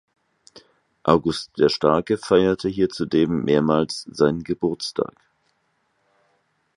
August der Starke feierte hier zudem mehrmals seinen Geburtstag.